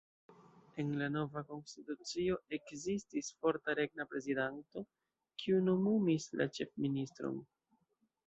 En la nova konstitucio ekzistis forta regna prezidanto, kiu nomumis la ĉefministron.